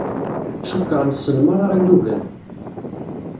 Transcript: Cukkeɣ nessen merra ilugan.